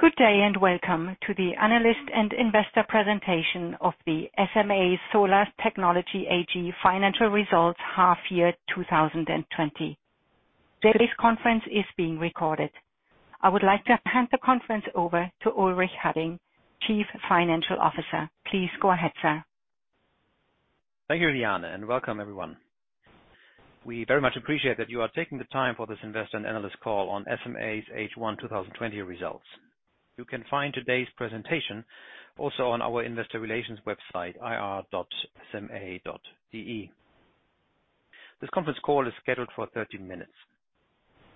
Good day and welcome to the analyst and investor presentation of the SMA Solar Technology AG financial results H1 2020. Today's conference is being recorded. I would like to hand the conference over to Ulrich Hadding, Chief Financial Officer. Please go ahead, sir. Thank you, Leanne, and welcome everyone. We very much appreciate that you are taking the time for this investor and analyst call on SMA's H1 2020 results. You can find today's presentation also on our investor relations website, ir.sma.de. This conference call is scheduled for 30 minutes.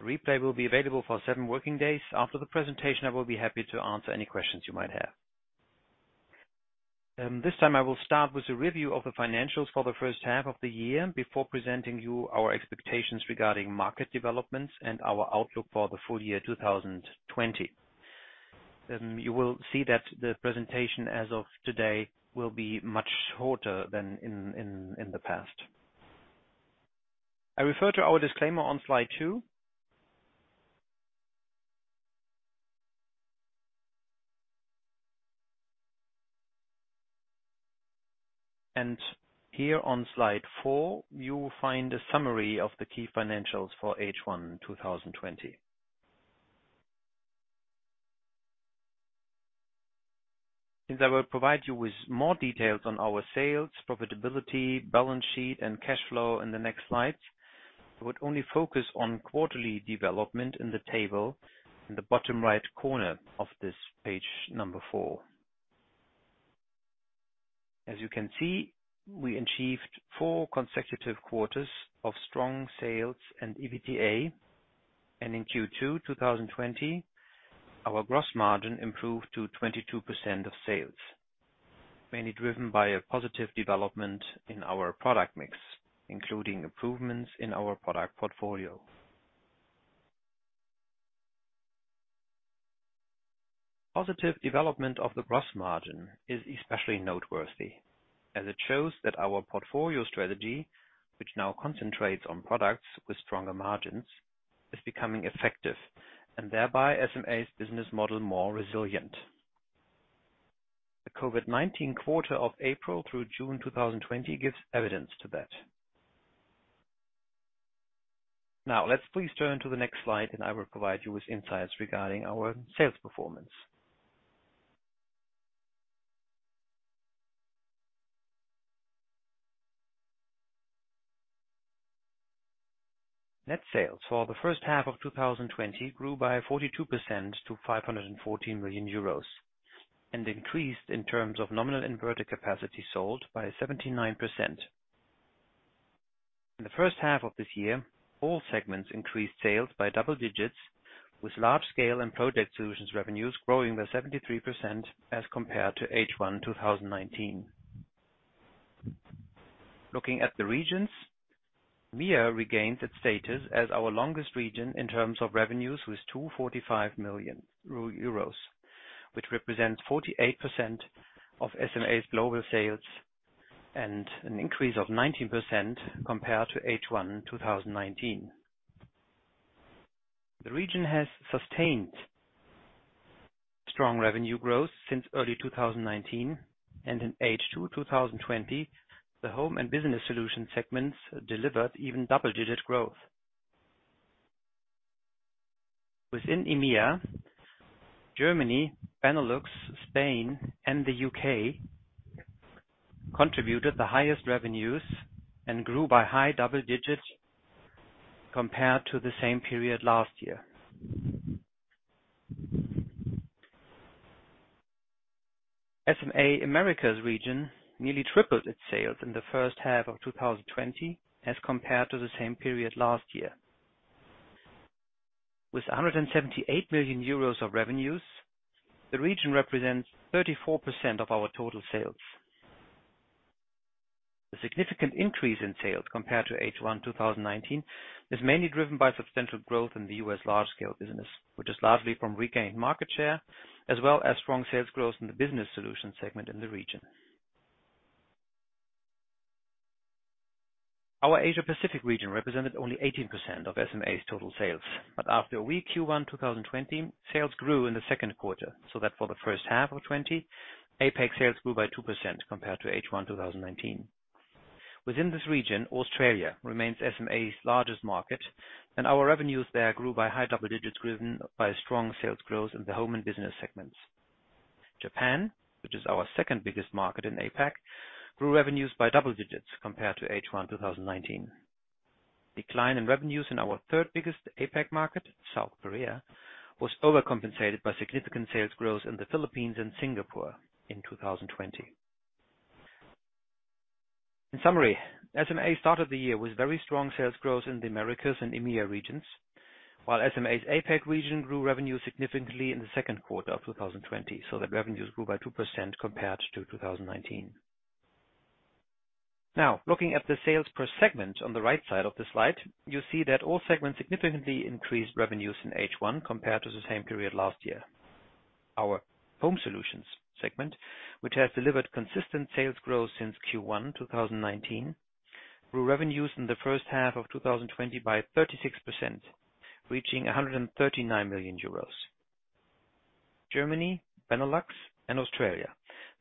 Replay will be available for seven working days. After the presentation, I will be happy to answer any questions you might have. This time I will start with a review of the financials for the first half of the year before presenting you our expectations regarding market developments and our outlook for the full year 2020. You will see that the presentation as of today will be much shorter than in the past. I refer to our disclaimer on slide two. Here on slide four, you will find a summary of the key financials for H1 2020. Since I will provide you with more details on our sales, profitability, balance sheet, and cash flow in the next slides, I would only focus on quarterly development in the table in the bottom right corner of this page number four. As you can see, we achieved four consecutive quarters of strong sales and EBITDA. In Q2 2020, our gross margin improved to 22% of sales, mainly driven by a positive development in our product mix, including improvements in our product portfolio. Positive development of the gross margin is especially noteworthy, as it shows that our portfolio strategy, which now concentrates on products with stronger margins, is becoming effective, and thereby SMA's business model more resilient. The COVID-19 quarter of April through June 2020 gives evidence to that. Let's please turn to the next slide, and I will provide you with insights regarding our sales performance. Net sales for the first half of 2020 grew by 42% to 514 million euros, and increased in terms of nominal inverter capacity sold by 79%. In the first half of this year, all segments increased sales by double digits, with Large Scale and Project Solutions revenues growing by 73% as compared to H1 2019. Looking at the regions, EMEA regained its status as our largest region in terms of revenues with 245 million euros, which represents 48% of SMA's global sales and an increase of 19% compared to H1 2019. The region has sustained strong revenue growth since early 2019, and in H2 2020, Home and Business Solution segments delivered even double-digit growth. Within EMEA, Germany, Benelux, Spain, and the U.K. contributed the highest revenues and grew by high double digits compared to the same period last year. SMA Americas region nearly tripled its sales in the first half of 2020 as compared to the same period last year. With 178 million euros of revenues, the region represents 34% of our total sales. The significant increase in sales compared to H1 2019 is mainly driven by substantial growth in the U.S. Large Scale business, which is largely from regained market share, as well as strong sales growth in the Business Solutions segment in the region. Our Asia Pacific region represented only 18% of SMA's total sales, but after a weak Q1 2020, sales grew in the second quarter, so that for the first half of 2020, APAC sales grew by 2% compared to H1 2019. Within this region, Australia remains SMA's largest market, and our revenues there grew by high double digits, driven by strong sales growth in the Home and Business segments. Japan, which is our second biggest market in APAC, grew revenues by double digits compared to H1 2019. Decline in revenues in our third biggest APAC market, South Korea, was overcompensated by significant sales growth in the Philippines and Singapore in 2020. In summary, SMA started the year with very strong sales growth in the Americas and EMEA regions, while SMA's APAC region grew revenue significantly in the second quarter of 2020, so that revenues grew by 2% compared to 2019. Now, looking at the sales per segment on the right side of the slide, you see that all segments significantly increased revenues in H1 compared to the same period last year. Our Home Solutions segment, which has delivered consistent sales growth since Q1 2019, grew revenues in the first half of 2020 by 36%, reaching 139 million euros. Germany, Benelux, and Australia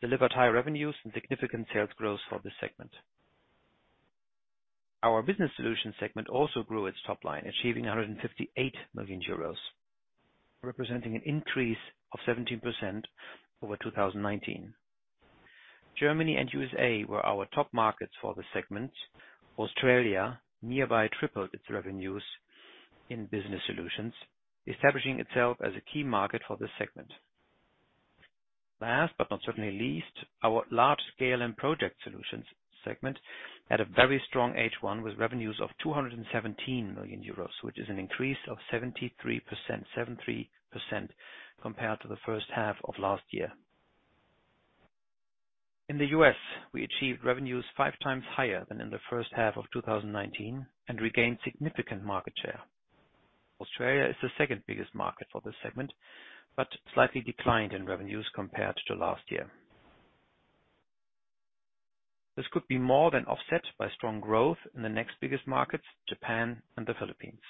delivered high revenues and significant sales growth for this segment. Our Business Solutions segment also grew its top line, achieving 158 million euros, representing an increase of 17% over 2019. Germany and U.S. were our top markets for this segment. Australia nearly tripled its revenues in Business Solutions, establishing itself as a key market for this segment. Last, but not certainly least, our Large Scale and Project Solutions segment had a very strong H1 with revenues of 217 million euros, which is an increase of 73% compared to the first half of last year. In the U.S., we achieved revenues five times higher than in the first half of 2019 and regained significant market share. Australia is the second biggest market for this segment, but slightly declined in revenues compared to last year. This could be more than offset by strong growth in the next biggest markets, Japan and the Philippines.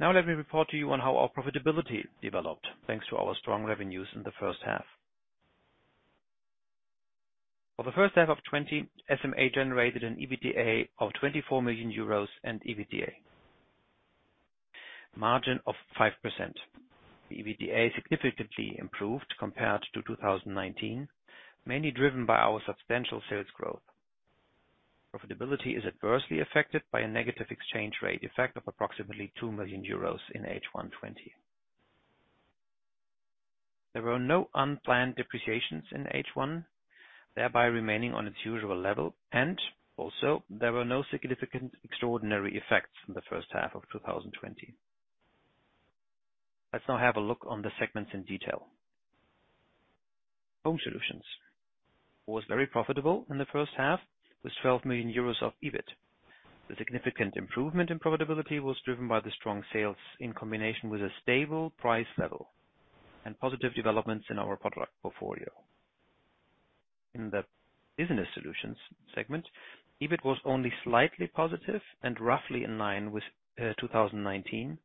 Now let me report to you on how our profitability developed, thanks to our strong revenues in the first half. For the first half of 2020, SMA generated an EBITDA of 24 million euros and EBITDA margin of 5%. The EBITDA significantly improved compared to 2019, mainly driven by our substantial sales growth. Profitability is adversely affected by a negative exchange rate effect of approximately two million EUR in H1 2020. There were no unplanned depreciations in H1, thereby remaining on its usual level, and also there were no significant extraordinary effects in the first half of 2020. Let's now have a look on the segments in detail. Home Solutions was very profitable in the first half with 12 million euros of EBIT. The significant improvement in profitability was driven by the strong sales in combination with a stable price level and positive developments in our product portfolio. In the Business Solutions segment, EBIT was only slightly positive and roughly in line with 2019.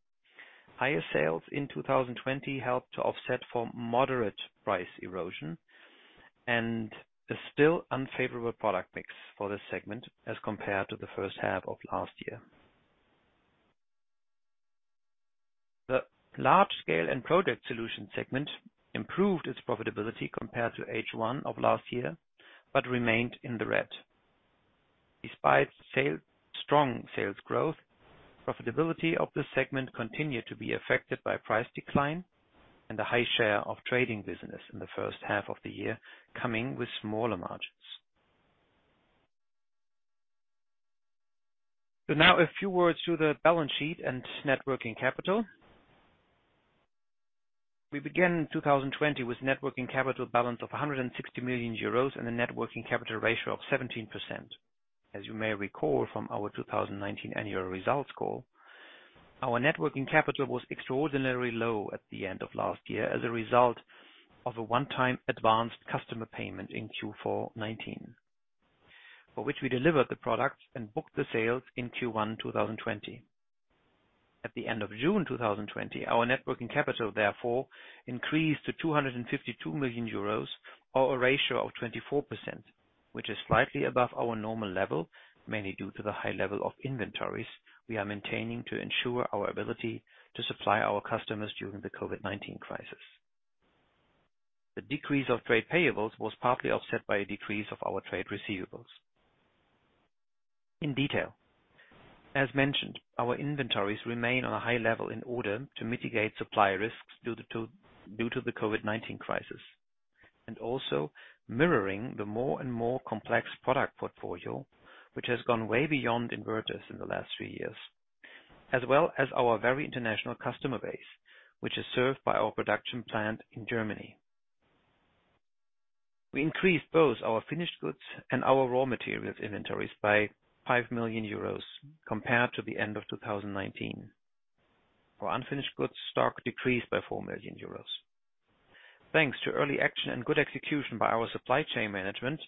Higher sales in 2020 helped to offset for moderate price erosion and a still unfavorable product mix for this segment as compared to the first half of last year. The Large Scale and Project Solution segment improved its profitability compared to H1 of last year, but remained in the red. Despite strong sales growth, profitability of this segment continued to be affected by price decline and the high share of trading business in the first half of the year, coming with smaller margins. Now a few words to the balance sheet and net working capital. We began 2020 with net working capital balance of 160 million euros and a net working capital ratio of 17%. As you may recall from our 2019 annual results call, our net working capital was extraordinarily low at the end of last year as a result of a one-time advanced customer payment in Q4 2019, for which we delivered the products and booked the sales in Q1 2020. At the end of June 2020, our net working capital therefore increased to 252 million euros or a ratio of 24%, which is slightly above our normal level, mainly due to the high level of inventories we are maintaining to ensure our ability to supply our customers during the COVID-19 crisis. The decrease of trade payables was partly offset by a decrease of our trade receivables. In detail, as mentioned, our inventories remain on a high level in order to mitigate supply risks due to the COVID-19 crisis, and also mirroring the more and more complex product portfolio, which has gone way beyond inverters in the last few years, as well as our very international customer base, which is served by our production plant in Germany. We increased both our finished goods and our raw materials inventories by 5 million euros compared to the end of 2019. Our unfinished goods stock decreased by 4 million euros. Thanks to early action and good execution by our supply chain management,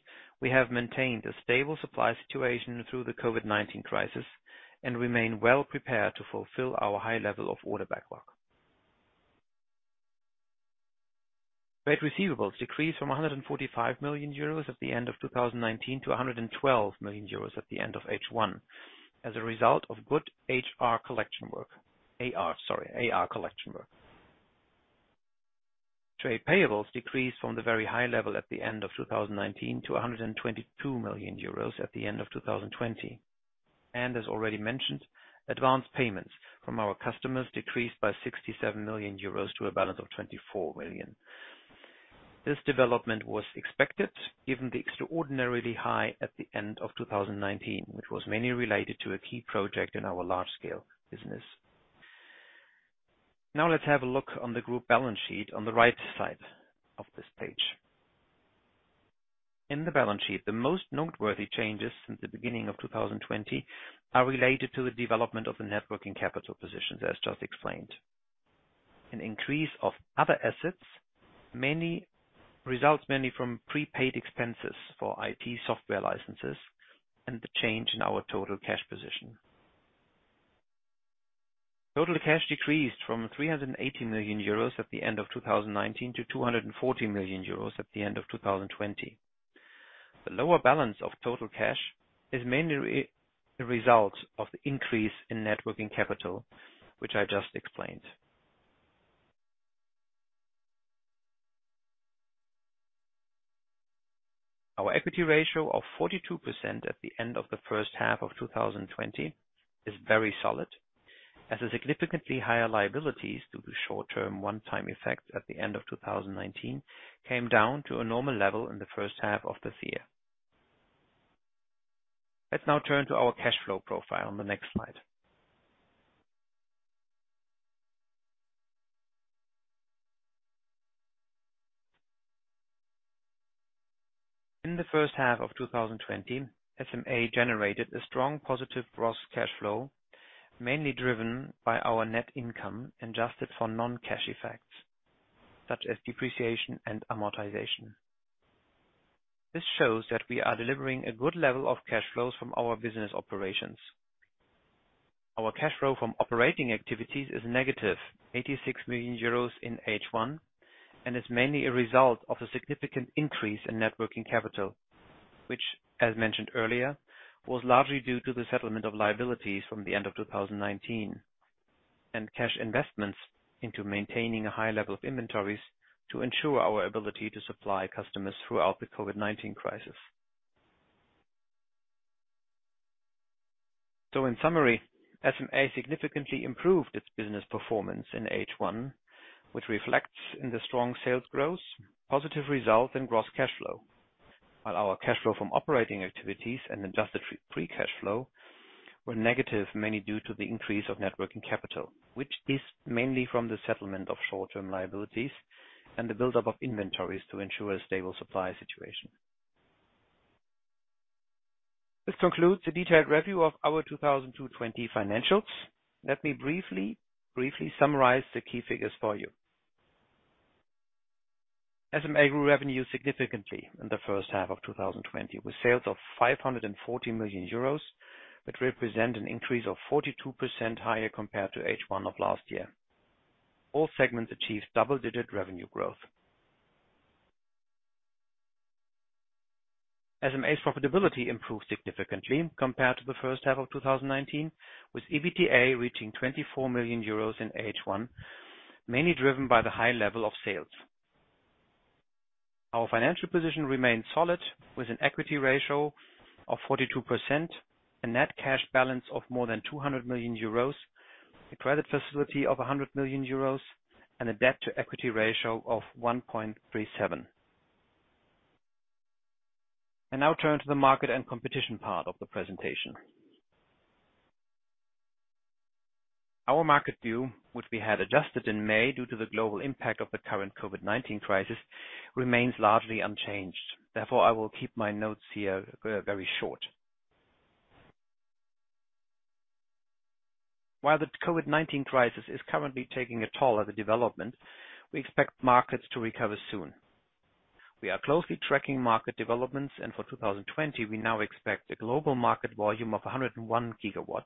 we have maintained a stable supply situation through the COVID-19 crisis and remain well prepared to fulfill our high level of order backlog. Trade receivables decreased from 145 million euros at the end of 2019 to 112 million euros at the end of H1 as a result of good AR, sorry, AR collection work. Trade payables decreased from the very high level at the end of 2019 to 122 million euros at the end of 2020. As already mentioned, advanced payments from our customers decreased by 67 million euros to a balance of 24 million. This development was expected given the extraordinarily high at the end of 2019, which was mainly related to a key project in our Large Scale business. Let's have a look on the group balance sheet on the right side of this page. In the balance sheet, the most noteworthy changes since the beginning of 2020 are related to the development of the net working capital positions, as just explained. An increase of other assets results mainly from prepaid expenses for IT software licenses and the change in our total cash position. Total cash decreased from 380 million euros at the end of 2019 to 240 million euros at the end of 2020. The lower balance of total cash is mainly the result of the increase in net working capital, which I just explained. Our equity ratio of 42% at the end of the first half of 2020 is very solid, as the significantly higher liabilities due to short-term one-time effects at the end of 2019 came down to a normal level in the first half of the year. Let's now turn to our cash flow profile on the next slide. In the first half of 2020, SMA generated a strong positive gross cash flow, mainly driven by our net income, adjusted for non-cash effects such as depreciation and amortization. This shows that we are delivering a good level of cash flows from our business operations. Our cash flow from operating activities is negative, 86 million euros in H1, and is mainly a result of a significant increase in net working capital, which, as mentioned earlier, was largely due to the settlement of liabilities from the end of 2019 and cash investments into maintaining a high level of inventories to ensure our ability to supply customers throughout the COVID-19 crisis. In summary, SMA significantly improved its business performance in H1, which reflects in the strong sales growth, positive result in gross cash flow. While our cash flow from operating activities and adjusted free cash flow were negative, mainly due to the increase of net working capital, which is mainly from the settlement of short-term liabilities and the buildup of inventories to ensure a stable supply situation. This concludes the detailed review of our 2020 financials. Let me briefly summarize the key figures for you. SMA grew revenue significantly in the first half of 2020, with sales of 514 million euros that represent an increase of 42% higher compared to H1 of last year. All segments achieved double-digit revenue growth. SMA's profitability improved significantly compared to the first half of 2019, with EBITDA reaching 24 million euros in H1, mainly driven by the high level of sales. Our financial position remained solid, with an equity ratio of 42%, a net cash balance of more than 200 million euros, a credit facility of 100 million euros, and a debt-to-equity ratio of 1.37. I now turn to the market and competition part of the presentation. Our market view, which we had adjusted in May due to the global impact of the current COVID-19 crisis, remains largely unchanged. I will keep my notes here very short. While the COVID-19 crisis is currently taking a toll on the development, we expect markets to recover soon. For 2020, we now expect a global market volume of 101 GW,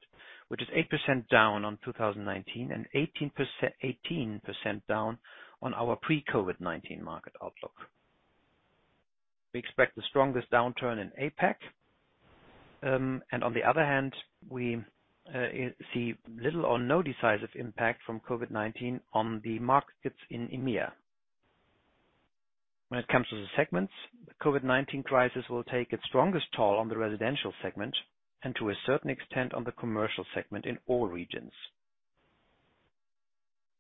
which is 8% down on 2019 and 18% down on our pre-COVID-19 market outlook. We expect the strongest downturn in APAC. On the other hand, we see little or no decisive impact from COVID-19 on the markets in EMEA. When it comes to the segments, the COVID-19 crisis will take its strongest toll on the residential segment and to a certain extent, on the commercial segment in all regions.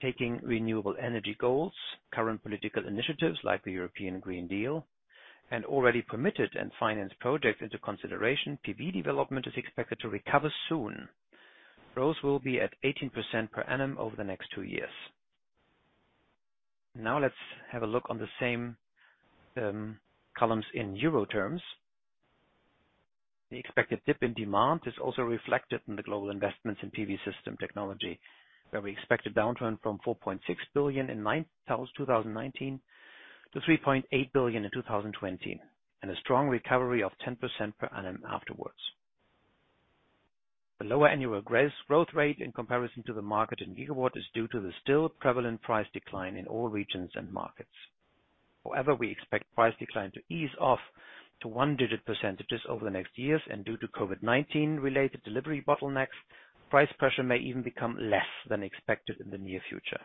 Taking renewable energy goals, current political initiatives like the European Green Deal and already permitted and financed projects into consideration, PV development is expected to recover soon. Growth will be at 18% per annum over the next two years. Now let's have a look on the same columns in euro terms. The expected dip in demand is also reflected in the global investments in PV system technology, where we expect a downturn from 4.6 billion in 2019 to 3.8 billion in 2020, and a strong recovery of 10% per annum afterwards. The lower annual growth rate in comparison to the market in gigawatt is due to the still prevalent price decline in all regions and markets. However, we expect price decline to ease off to one-digit percentages over the next years. Due to COVID-19 related delivery bottlenecks, price pressure may even become less than expected in the near future.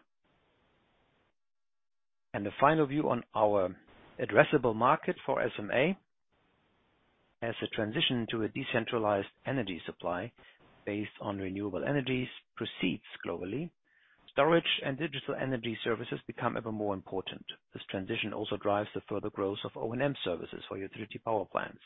The final view on our addressable market for SMA. As the transition to a decentralized energy supply based on renewable energies proceeds globally, storage and digital energy services become ever more important. This transition also drives the further growth of O&M services for utility power plants.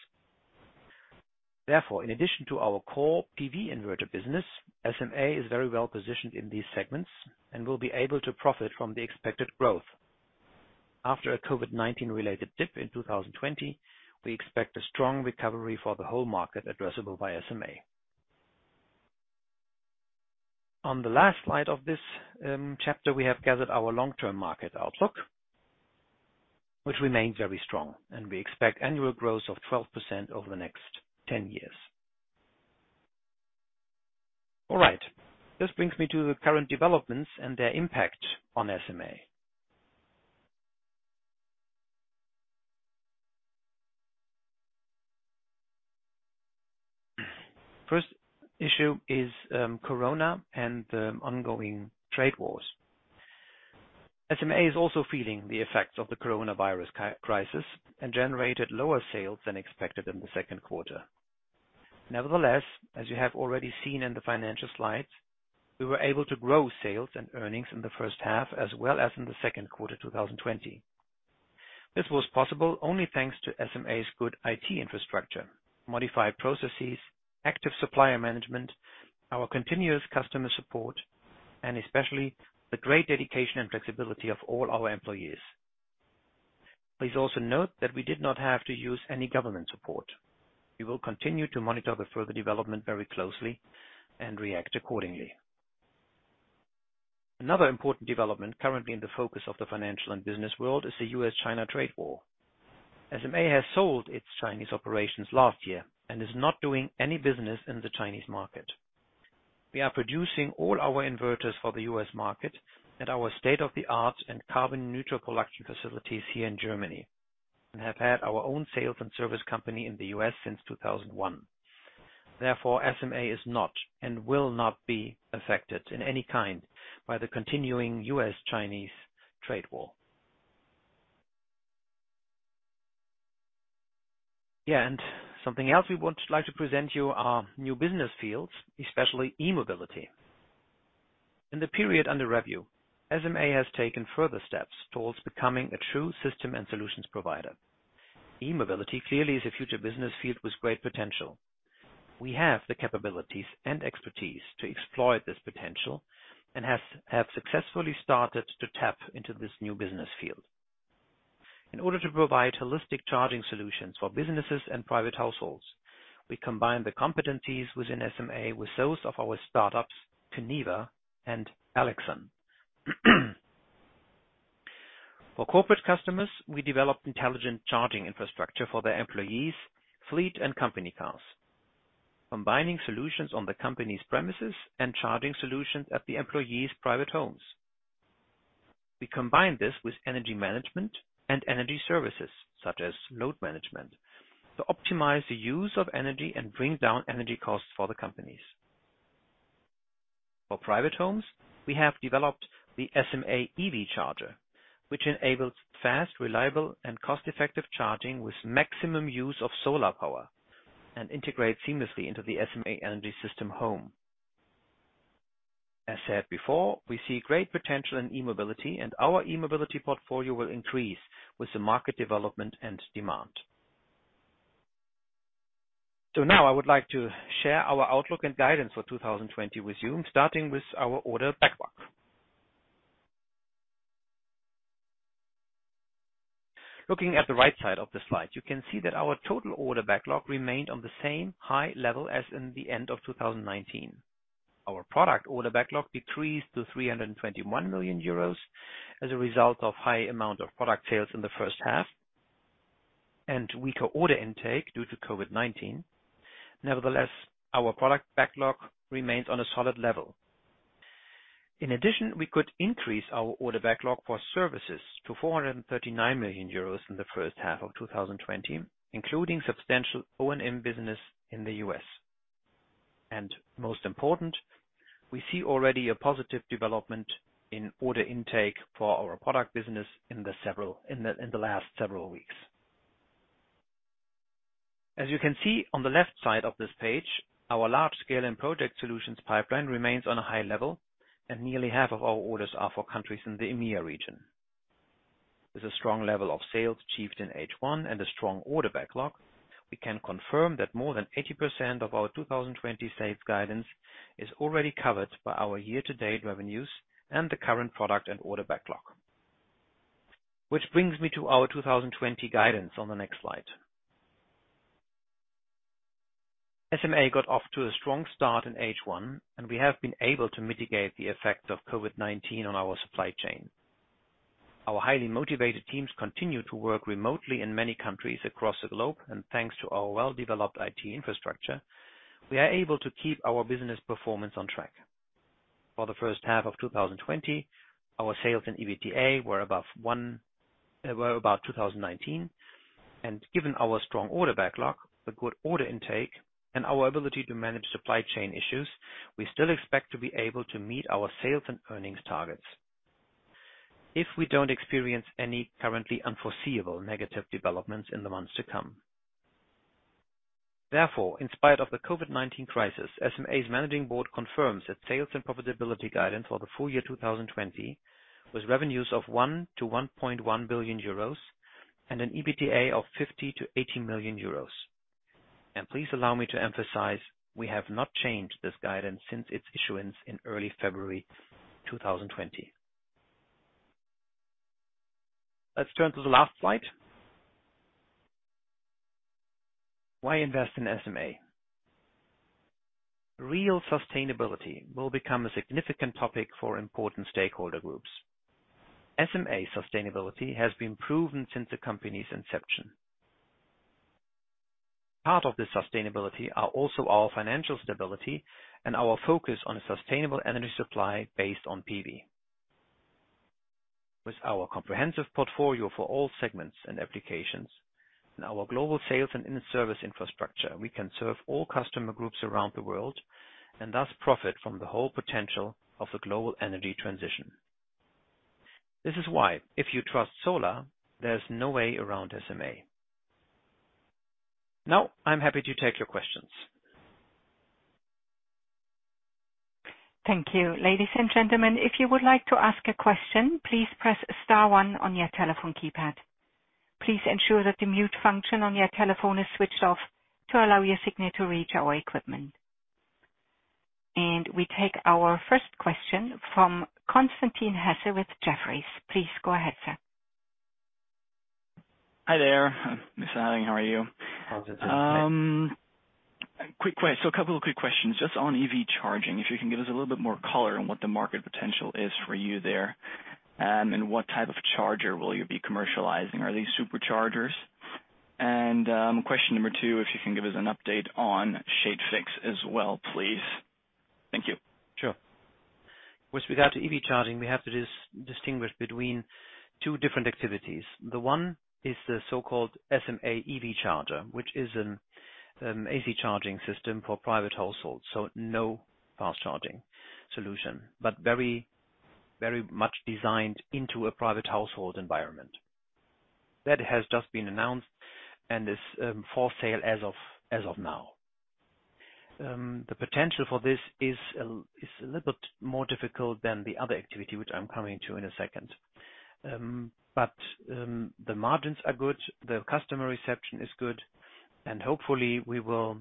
Therefore, in addition to our core PV inverter business, SMA is very well positioned in these segments and will be able to profit from the expected growth. After a COVID-19 related dip in 2020, we expect a strong recovery for the whole market addressable by SMA. On the last slide of this chapter, we have gathered our long-term market outlook, which remains very strong, and we expect annual growth of 12% over the next 10 years. All right, this brings me to the current developments and their impact on SMA. First issue is Corona and the ongoing trade wars. SMA is also feeling the effects of the coronavirus crisis and generated lower sales than expected in the second quarter. Nevertheless, as you have already seen in the financial slides, we were able to grow sales and earnings in the first half as well as in the second quarter 2020. This was possible only thanks to SMA's good IT infrastructure, modified processes, active supplier management, our continuous customer support, and especially the great dedication and flexibility of all our employees. Please also note that we did not have to use any government support. We will continue to monitor the further development very closely and react accordingly. Another important development currently in the focus of the financial and business world is the U.S.-China trade war. SMA has sold its Chinese operations last year and is not doing any business in the Chinese market. We are producing all our inverters for the U.S. market at our state-of-the-art and carbon neutral production facilities here in Germany and have had our own sales and service company in the U.S. since 2001. Therefore, SMA is not and will not be affected in any kind by the continuing U.S.-Chinese trade war. Yeah, something else we would like to present you our new business fields, especially e-mobility. In the period under review, SMA has taken further steps towards becoming a true system and solutions provider. E-mobility clearly is a future business field with great potential. We have the capabilities and expertise to exploit this potential and have successfully started to tap into this new business field. In order to provide holistic charging solutions for businesses and private households, we combine the competencies within SMA with those of our startups, coneva and elexon. For corporate customers, we developed intelligent charging infrastructure for their employees, fleet, and company cars, combining solutions on the company's premises and charging solutions at the employees' private homes. We combine this with energy management and energy services, such as load management, to optimize the use of energy and bring down energy costs for the companies. For private homes, we have developed the SMA EV Charger, which enables fast, reliable and cost-effective charging with maximum use of solar power and integrates seamlessly into the SMA Energy System Home. As said before, we see great potential in e-mobility and our e-mobility portfolio will increase with the market development and demand. Now I would like to share our outlook and guidance for 2020 with you, starting with our order backlog. Looking at the right side of the slide, you can see that our total order backlog remained on the same high level as in the end of 2019. Our product order backlog decreased to 321 million euros as a result of high amount of product sales in the first half and weaker order intake due to COVID-19. Nevertheless, our product backlog remains on a solid level. In addition, we could increase our order backlog for services to 439 million euros in the first half of 2020, including substantial O&M business in the U.S. Most important, we see already a positive development in order intake for our product business in the last several weeks. As you can see on the left side of this page, our Large Scale and Project Solutions pipeline remains on a high level and nearly half of our orders are for countries in the EMEA region. With a strong level of sales achieved in H1 and a strong order backlog, we can confirm that more than 80% of our 2020 sales guidance is already covered by our year-to-date revenues and the current product and order backlog. Which brings me to our 2020 guidance on the next slide. SMA got off to a strong start in H1, and we have been able to mitigate the effects of COVID-19 on our supply chain. Our highly motivated teams continue to work remotely in many countries across the globe and thanks to our well-developed IT infrastructure, we are able to keep our business performance on track. For the first half of 2020, our sales and EBITDA were above 2019 and given our strong order backlog, the good order intake and our ability to manage supply chain issues, we still expect to be able to meet our sales and earnings targets, if we don't experience any currently unforeseeable negative developments in the months to come. Therefore, in spite of the COVID-19 crisis, SMA's managing board confirms its sales and profitability guidance for the full year 2020, with revenues of 1 billion-1.1 billion euros and an EBITDA of 50 million-80 million euros. Please allow me to emphasize, we have not changed this guidance since its issuance in early February 2020. Let's turn to the last slide. Why invest in SMA? Real sustainability will become a significant topic for important stakeholder groups. SMA sustainability has been proven since the company's inception. Part of this sustainability are also our financial stability and our focus on a sustainable energy supply based on PV. With our comprehensive portfolio for all segments and applications, and our global sales and inner service infrastructure, we can serve all customer groups around the world, and thus profit from the whole potential of the global energy transition. This is why, if you trust solar, there's no way around SMA. Now, I'm happy to take your questions. Thank you. Ladies and gentlemen, if you would like to ask a question, please press star one on your telephone keypad. Please ensure that the mute function on your telephone is switched off to allow your signal to reach our equipment. We take our first question from Constantin Hesse with Jefferies. Please go ahead, sir. Hi there, Mr. Hadding. How are you? Constantin. A couple of quick questions. Just on EV charging, if you can give us a little bit more color on what the market potential is for you there, and what type of charger will you be commercializing? Are they superchargers? Question number 2, if you can give us an update on ShadeFix as well, please. Thank you. Sure. With regard to EV charging, we have to distinguish between two different activities. The one is the so-called SMA EV Charger, which is an AC charging system for private households. No fast charging solution, but very much designed into a private household environment. That has just been announced and is for sale as of now. The potential for this is a little bit more difficult than the other activity, which I'm coming to in a second. The margins are good, the customer reception is good, and hopefully we will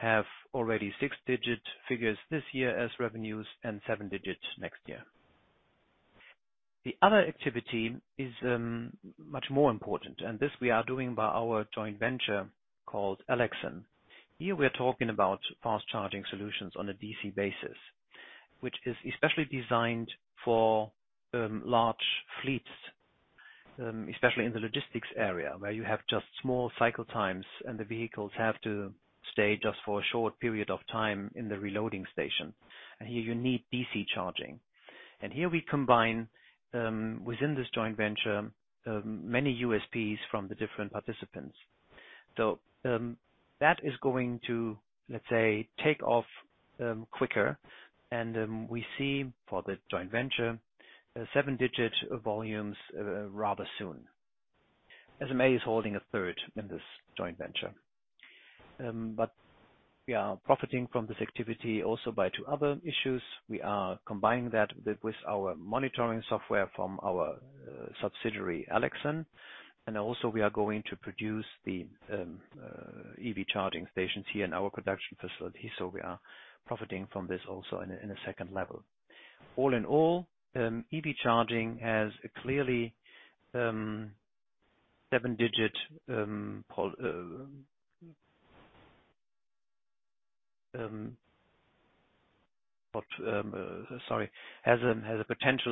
have already six-digit figures this year as revenues and seven digits next year. The other activity is much more important, and this we are doing by our joint venture called elexon. Here we're talking about fast charging solutions on a DC basis, which is especially designed for large fleets, especially in the logistics area, where you have just small cycle times and the vehicles have to stay just for a short period of time in the reloading station. Here you need DC charging. Here we combine, within this joint venture, many USPs from the different participants. That is going to, let's say, take off quicker and we see, for the joint venture, seven-digit volumes rather soon. SMA is holding a third in this joint venture. We are profiting from this activity also by two other issues. We are combining that with our monitoring software from our subsidiary, elexon, and also we are going to produce the EV charging stations here in our production facility, so we are profiting from this also in a second level. All in all, EV charging has a potential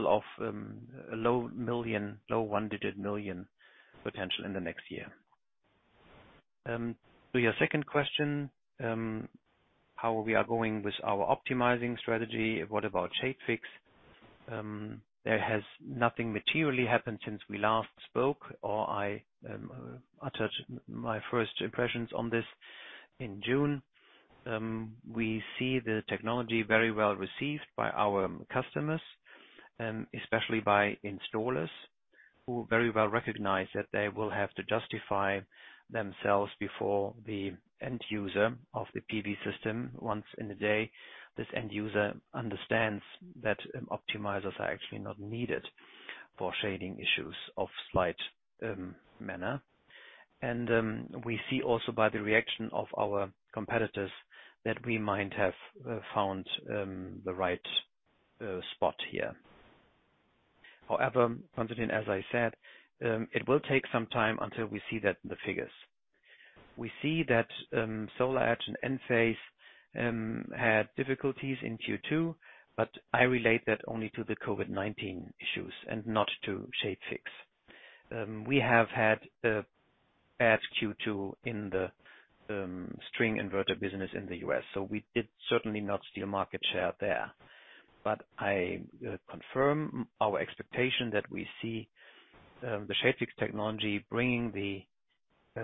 of a low one-digit million potential in the next year. To your second question, how we are going with our optimizing strategy, what about ShadeFix? There has nothing materially happened since we last spoke, or I uttered my first impressions on this in June. We see the technology very well received by our customers, especially by installers, who very well recognize that they will have to justify themselves before the end user of the PV system once in a day. This end user understands that optimizers are actually not needed for shading issues of slight manner. We see also by the reaction of our competitors that we might have found the right spot here. However, Constantin, as I said, it will take some time until we see that in the figures. We see that SolarEdge and Enphase had difficulties in Q2, but I relate that only to the COVID-19 issues and not to ShadeFix. We have had a bad Q2 in the string inverter business in the U.S., so we did certainly not steal market share there. I confirm our expectation that we see the ShadeFix technology bringing the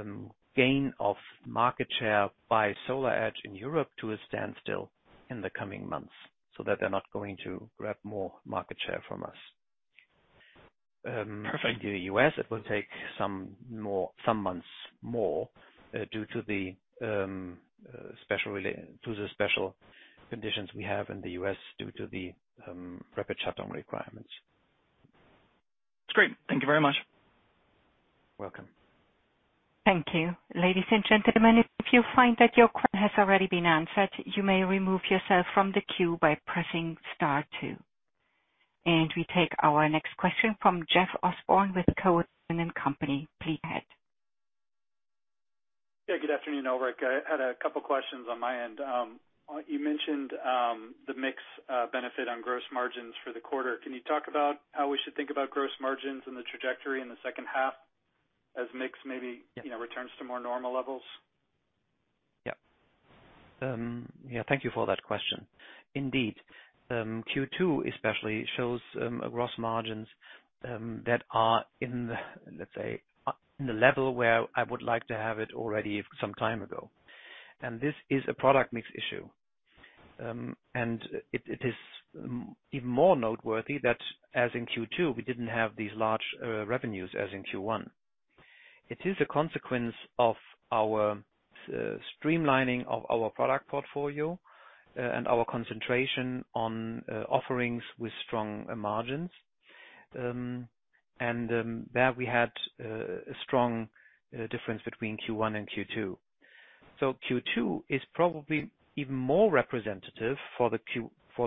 gain of market share by SolarEdge in Europe to a standstill in the coming months, so that they're not going to grab more market share from us. Perfect. In the U.S., it will take some months more due to the special conditions we have in the U.S. due to the rapid shutdown requirements. That's great. Thank you very much. Welcome. Thank you. Ladies and gentlemen, if you find that your question has already been answered, you may remove yourself from the queue by pressing star two. We take our next question from Jeff Osborne with Cowen and Company. Please go ahead. Yeah, good afternoon, Ulrich. I had a couple questions on my end. You mentioned the mix benefit on gross margins for the quarter. Can you talk about how we should think about gross margins and the trajectory in the second half as mix, maybe, returns to more normal levels? Yeah. Thank you for that question. Indeed. Q2 especially shows gross margins that are in, let's say, the level where I would like to have it already some time ago. This is a product mix issue. It is even more noteworthy that as in Q2, we didn't have these large revenues as in Q1. It is a consequence of our streamlining of our product portfolio and our concentration on offerings with strong margins. There we had a strong difference between Q1 and Q2. Q2 is probably even more representative for the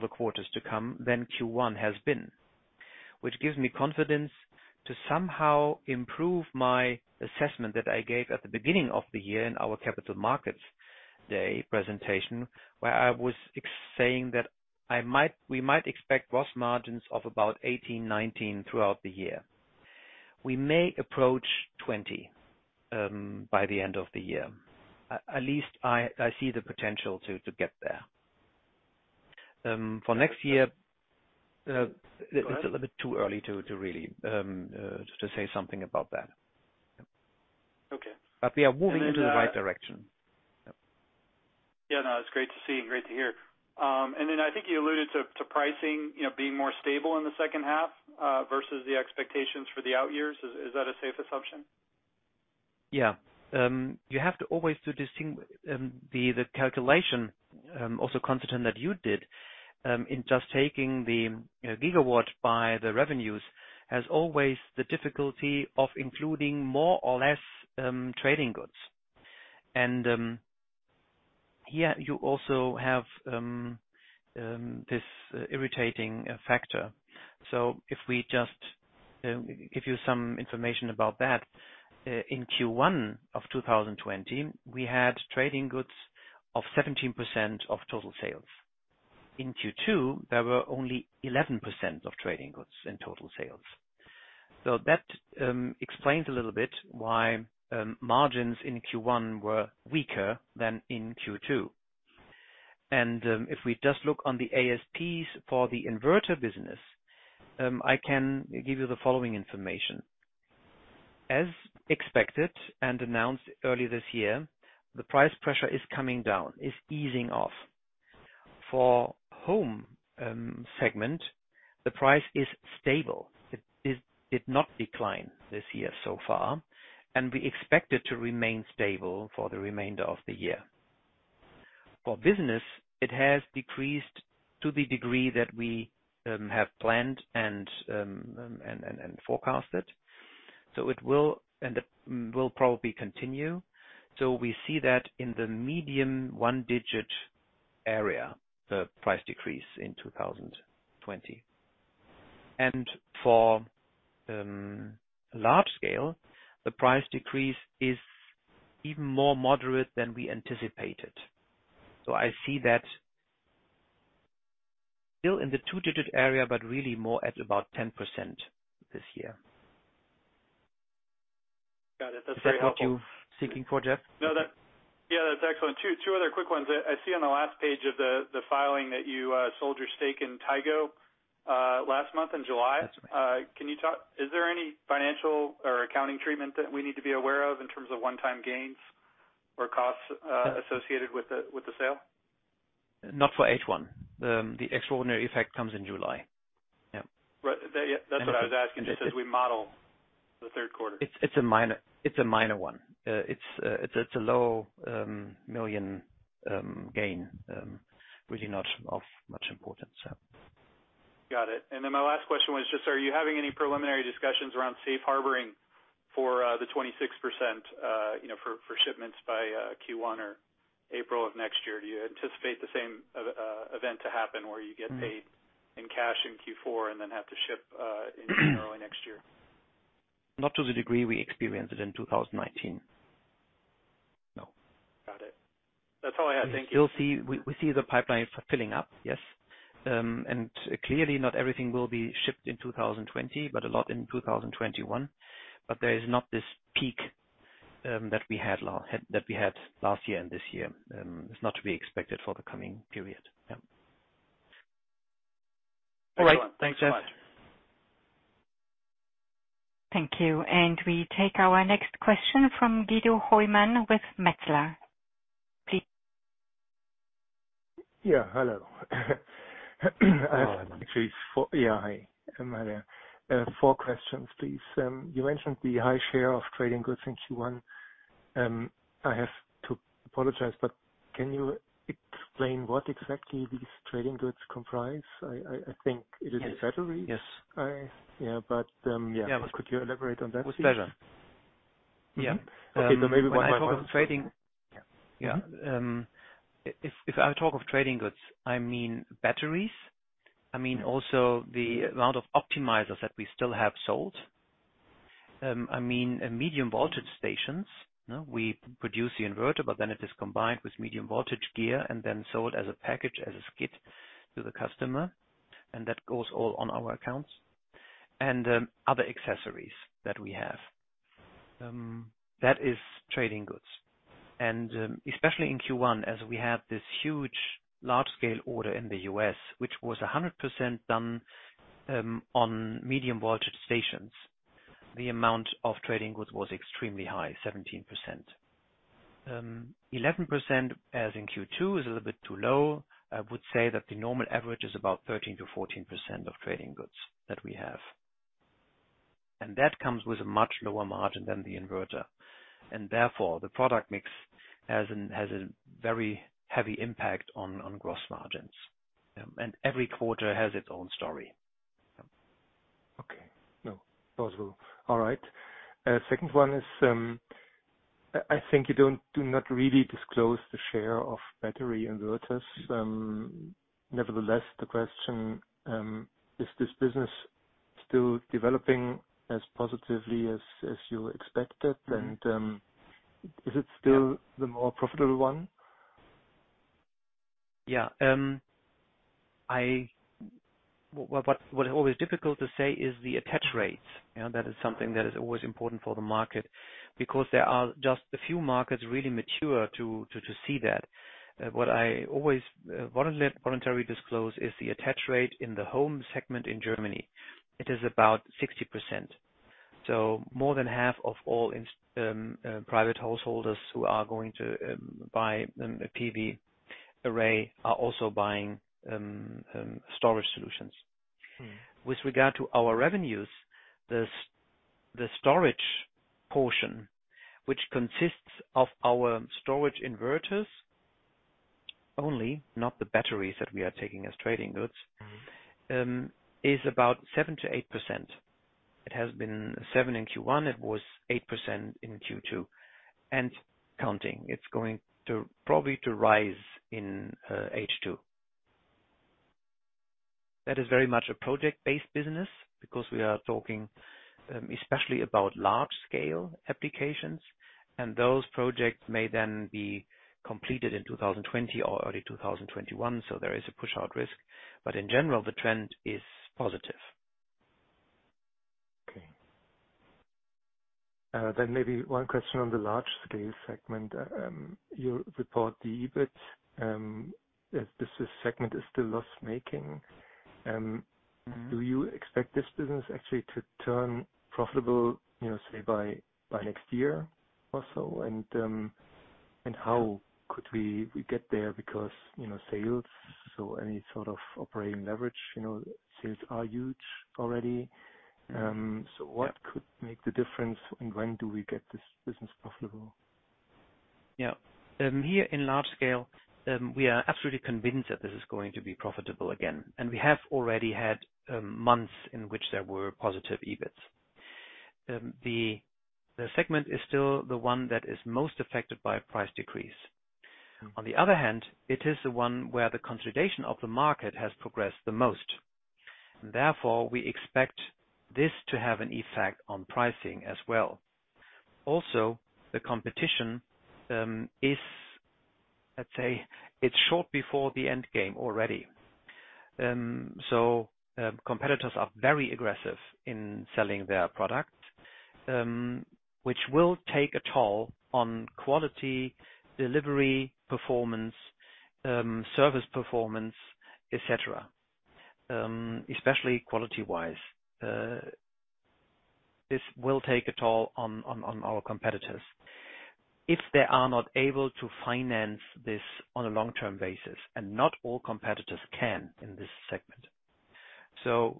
quarters to come than Q1 has been, which gives me confidence to somehow improve my assessment that I gave at the beginning of the year in our Capital Markets Day presentation, where I was saying that we might expect gross margins of about 18%, 19% throughout the year. We may approach 20% by the end of the year. At least I see the potential to get there. Go ahead. It's a little bit too early to really say something about that. Okay. We are moving into the right direction. Yeah, no, it's great to see and great to hear. I think you alluded to pricing being more stable in the second half versus the expectations for the out years. Is that a safe assumption? Yeah. You have to always do the calculation, also considering that you did, in just taking the gigawatt by the revenues, has always the difficulty of including more or less trading goods. Here you also have this irritating factor. If we just give you some information about that. In Q1 of 2020, we had trading goods of 17% of total sales. In Q2, there were only 11% of trading goods in total sales. That explains a little bit why margins in Q1 were weaker than in Q2. If we just look on the ASPs for the inverter business, I can give you the following information. As expected and announced early this year, the price pressure is coming down, is easing off. For Home segment, the price is stable. It did not decline this year so far. We expect it to remain stable for the remainder of the year. For business, it has decreased to the degree that we have planned and forecasted. It will probably continue. We see that in the medium one-digit area, the price decrease in 2020. For Large Scale, the price decrease is even more moderate than we anticipated. I see that still in the two-digit area, but really more at about 10% this year. Got it. That's very helpful. Is that what you're seeking for, Jeff? Yeah, that's excellent. Two other quick ones. I see on the last page of the filing that you sold your stake in Tigo last month in July. That's right. Is there any financial or accounting treatment that we need to be aware of in terms of one-time gains or costs associated with the sale? Not for H1. The extraordinary effect comes in July. Yep. Right. That's what I was asking, just as we model the third quarter. It's a minor one. It's a low million gain. Really not of much importance. Got it. My last question was just, are you having any preliminary discussions around safe harboring for the 26%, for shipments by Q1 or April of next year? Do you anticipate the same event to happen where you get paid in cash in Q4 and then have to ship in early next year? Not to the degree we experienced it in 2019. No. Got it. That's all I have. Thank you. We see the pipeline filling up, yes. Clearly not everything will be shipped in 2020, but a lot in 2021. There is not this peak that we had last year and this year. It's not to be expected for the coming period. Yeah. All right. Thanks so much. Thanks, Jeff. Thank you. We take our next question from Guido Hoymann with Metzler. Please. Yeah, hello. Hello. Yeah, hi. Four questions, please. You mentioned the high share of trading goods in Q1. I have to apologize, but can you explain what exactly these trading goods comprise? I think it is in batteries. Yes. Could you elaborate on that please? With pleasure. Yeah. Okay. When I talk of trading. Yeah. If I talk of trading goods, I mean batteries. I mean also the amount of optimizers that we still have sold. I mean medium-voltage stations. We produce the inverter, but then it is combined with medium-voltage gear and then sold as a package, as a skid to the customer, and that goes all on our accounts, and other accessories that we have. That is trading goods. Especially in Q1, as we had this huge Large Scale order in the U.S., which was 100% done on medium-voltage stations, the amount of trading goods was extremely high, 17%. 11%, as in Q2, is a little bit too low. I would say that the normal average is about 13%-14% of trading goods that we have. That comes with a much lower margin than the inverter, and therefore, the product mix has a very heavy impact on gross margins. Every quarter has its own story. Okay. No. Possible. All right. Second one is, I think you do not really disclose the share of battery inverters. Nevertheless, the question, is this business still developing as positively as you expected? Is it still the more profitable one? Yeah. What is always difficult to say is the attach rates. That is something that is always important for the market, because there are just a few markets really mature to see that. What I always voluntarily disclose is the attach rate in the Home segment in Germany. It is about 60%. More than half of all private householders who are going to buy a PV array are also buying storage solutions. With regard to our revenues, the storage portion, which consists of our storage inverters only, not the batteries that we are taking as trading goods, is about 7%-8%. It has been 7% in Q1, it was 8% in Q2, and counting. It's going probably to rise in H2. That is very much a project-based business because we are talking especially about Large Scale applications, and those projects may then be completed in 2020 or early 2021, so there is a push-out risk. In general, the trend is positive. Maybe one question on the Large Scale segment. You report the EBIT. This segment is still loss-making. Do you expect this business actually to turn profitable, say by, next year or so? How could we get there because sales, so any sort of operating leverage, sales are huge already. What could make the difference, and when do we get this business profitable? Here in Large Scale, we are absolutely convinced that this is going to be profitable again and we have already had months in which there were positive EBITs. The segment is still the one that is most affected by price decrease. On the other hand, it is the one where the consolidation of the market has progressed the most. Therefore, we expect this to have an effect on pricing as well. Also, the competition is, let's say, it's short before the end game already. Competitors are very aggressive in selling their product, which will take a toll on quality, delivery performance, service performance, et cetera. Especially quality-wise. This will take a toll on our competitors if they are not able to finance this on a long-term basis, and not all competitors can in this segment.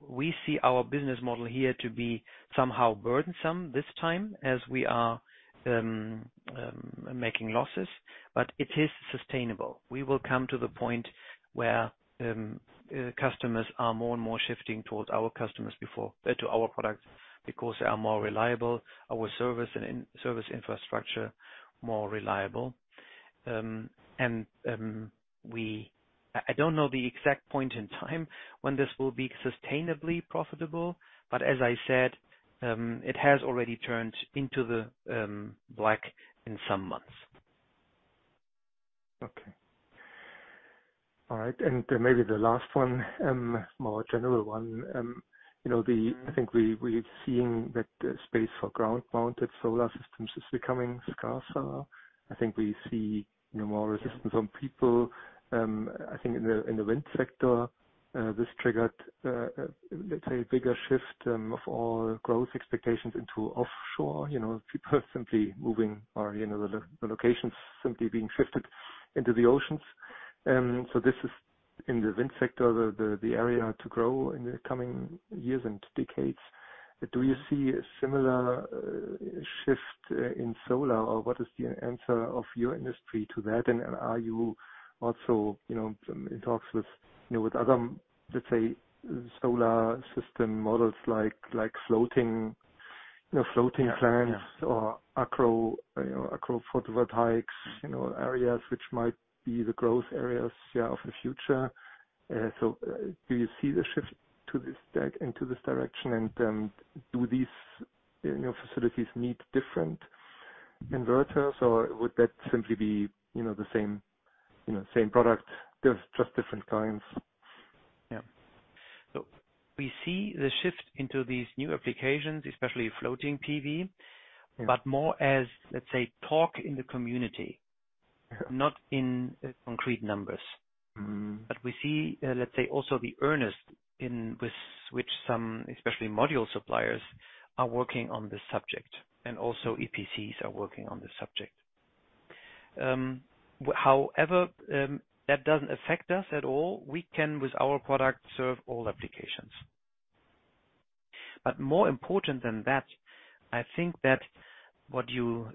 We see our business model here to be somehow burdensome this time as we are making losses, but it is sustainable. We will come to the point where customers are more and more shifting to our products because they are more reliable, our service infrastructure, more reliable. I don't know the exact point in time when this will be sustainably profitable, but as I said, it has already turned into the black in some months. Okay. All right, maybe the last one, more general one. I think we're seeing that the space for ground-mounted solar systems is becoming scarcer. I think we see more resistance from people. I think in the wind sector, this triggered, let's say, a bigger shift of all growth expectations into offshore, people are simply moving or, the locations simply being shifted into the oceans. This is in the wind sector, the area to grow in the coming years and decades. Do you see a similar shift in solar, or what is the answer of your industry to that? Are you also in talks with other, let's say, solar system models like floating plants or agrophotovoltaics, areas which might be the growth areas of the future. Do you see the shift into this direction and do these facilities need different inverters or would that simply be the same product, just different kinds? Yeah. We see the shift into these new applications, especially floating PV, but more as, let's say, talk in the community, not in concrete numbers. We see, let's say also the earnest in with which some, especially module suppliers, are working on this subject, and also EPCs are working on this subject. However, that doesn't affect us at all. We can, with our product, serve all applications. More important than that, I think that what you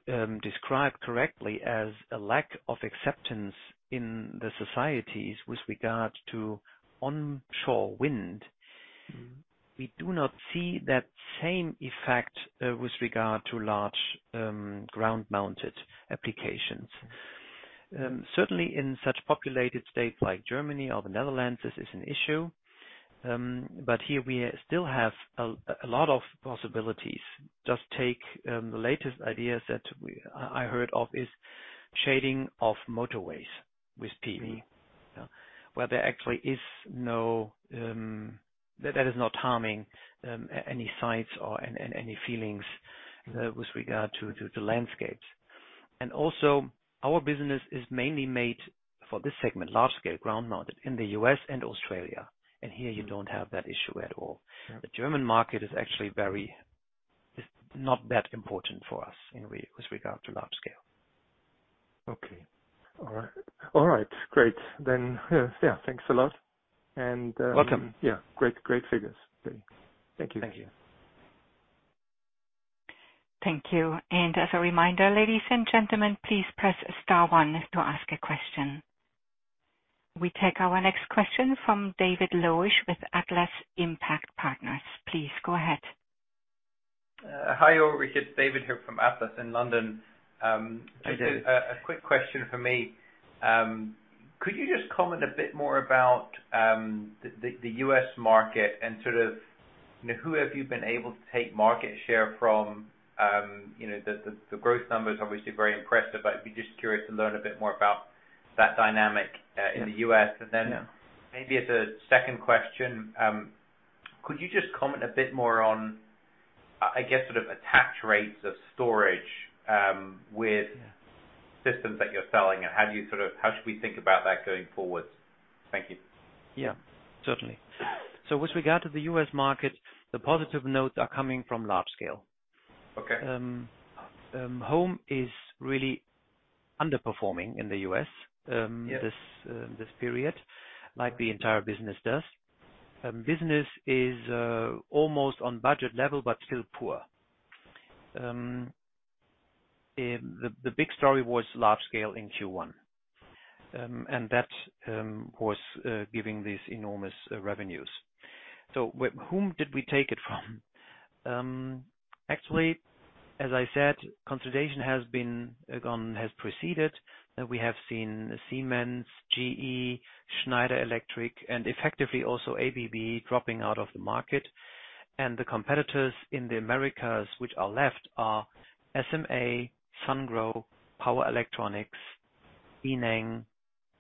described correctly as a lack of acceptance in the societies with regard to onshore wind. we do not see that same effect with regard to large ground-mounted applications. Certainly in such populated states like Germany or the Netherlands, this is an issue, but here we still have a lot of possibilities. Just take the latest ideas that I heard of is shading of motorways with PV, where that is not harming any sights or any feelings with regard to landscapes. And also, our business is mainly made for this segment, Large Scale, ground-mounted, in the U.S. and Australia, and here you don't have that issue at all. Yeah. The German market is actually not that important for us with regard to Large Scale. Okay. All right. Great. Yeah. Thanks a lot. Welcome. Yeah. Great figures. Thank you. Thank you. Thank you. As a reminder, ladies and gentlemen, please press star one to ask a question. We take our next question from David Lowish with Atlas Impact Partners. Please go ahead. Hi, Ulrich. It's David here from Atlas in London. Hi, David. Just a quick question from me. Could you just comment a bit more about the U.S. market and who have you been able to take market share from? The growth number is obviously very impressive, I'd be just curious to learn a bit more about that dynamic in the U.S. Maybe as a second question, could you just comment a bit more on, I guess, attach rates of storage with systems that you're selling, and how should we think about that going forward? Thank you. Yeah. Certainly. With regard to the U.S. market, the positive notes are coming from Large Scale. Okay. Home is really underperforming in the U.S. this period, like the entire business does. Business is almost on budget level, but still poor. The big story was Large Scale in Q1. That was giving these enormous revenues. Whom did we take it from? Actually, as I said, consolidation has proceeded. We have seen Siemens, GE, Schneider Electric, and effectively also ABB dropping out of the market, and the competitors in the Americas which are left are SMA, Sungrow, Power Electronics, Enel,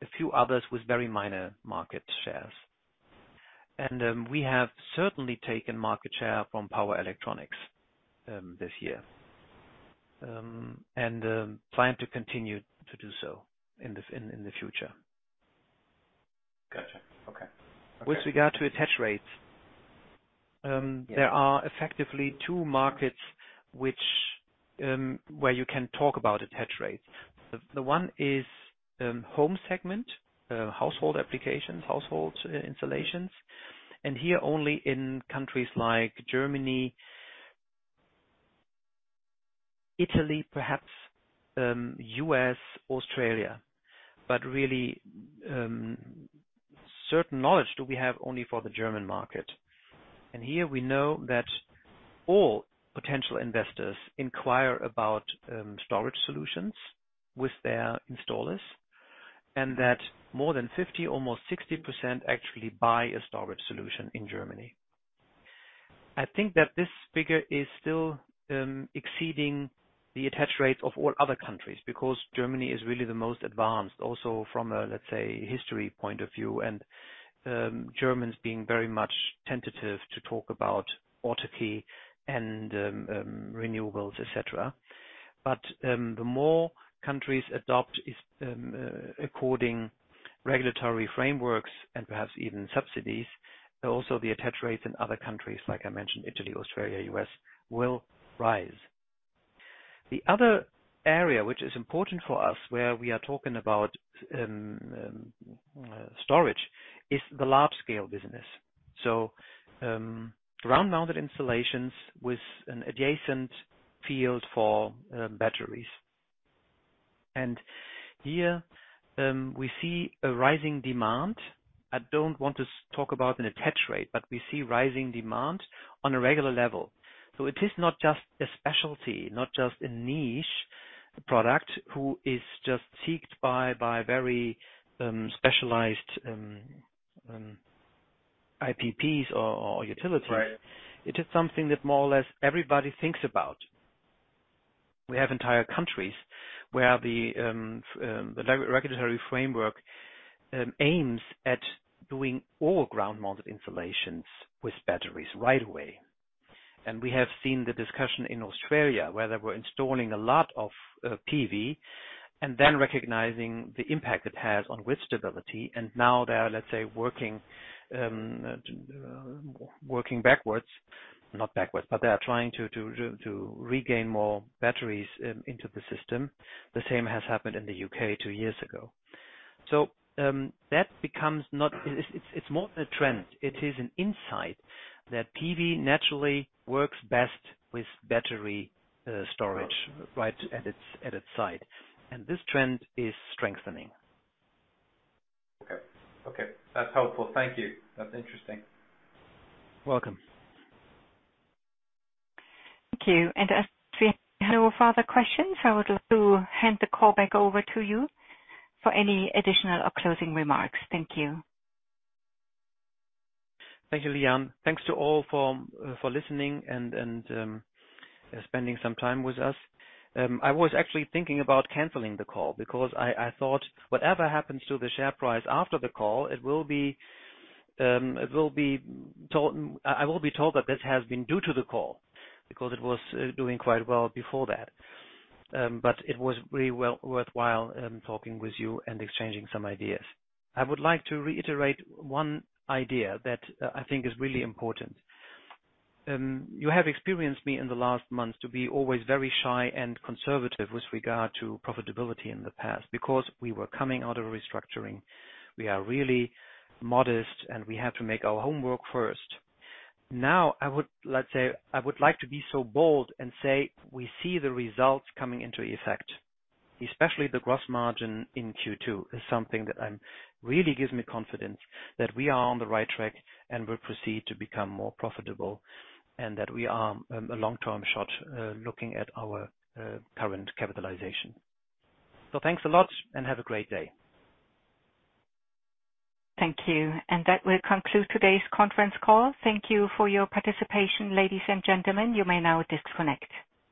a few others with very minor market shares. We have certainly taken market share from Power Electronics this year, and plan to continue to do so in the future. Got you. Okay. With regard to attach rates, there are effectively two markets where you can talk about attach rates. One is Home segment, household applications, household installations. Here only in countries like Germany, Italy, perhaps U.S., Australia. Really, certain knowledge do we have only for the German market. Here we know that all potential investors inquire about storage solutions with their installers, and that more than 50%, almost 60% actually buy a storage solution in Germany. I think that this figure is still exceeding the attach rates of all other countries, because Germany is really the most advanced, also from a, let's say, history point of view, and Germans being very much tentative to talk about autarky and renewables, et cetera. The more countries adopt according regulatory frameworks and perhaps even subsidies, also the attach rates in other countries, like I mentioned, Italy, Australia, U.S. will rise. The other area which is important for us where we are talking about storage is the Large Scale business. Ground-mounted installations with an adjacent field for batteries. Here we see a rising demand. I don't want to talk about an attach rate, but we see rising demand on a regular level. It is not just a specialty, not just a niche product who is just seeked by very specialized IPPs or utilities. Right. It is something that more or less everybody thinks about. We have entire countries where the regulatory framework aims at doing all ground-mounted installations with batteries right away. We have seen the discussion in Australia where they were installing a lot of PV and then recognizing the impact it has on grid stability. Now they are, let's say, working backwards, not backwards, but they are trying to regain more batteries into the system. The same has happened in the U.K. two years ago. It's more than a trend. It is an insight that PV naturally works best with battery storage right at its side. This trend is strengthening. Okay. That's helpful. Thank you. That's interesting. Welcome. Thank you. As we have no further questions, I would like to hand the call back over to you for any additional or closing remarks. Thank you. Thank you, Leanne. Thanks to all for listening and spending some time with us. I was actually thinking about canceling the call because I thought whatever happens to the share price after the call, I will be told that this has been due to the call because it was doing quite well before that. It was really worthwhile talking with you and exchanging some ideas. I would like to reiterate one idea that I think is really important. You have experienced me in the last months to be always very shy and conservative with regard to profitability in the past because we were coming out of restructuring. We are really modest and we have to make our homework first. Now, I would like to be so bold and say we see the results coming into effect, especially the gross margin in Q2 is something that really gives me confidence that we are on the right track and will proceed to become more profitable and that we are a long-term shot looking at our current capitalization. Thanks a lot and have a great day. Thank you. That will conclude today's conference call. Thank you for your participation, ladies and gentlemen. You may now disconnect.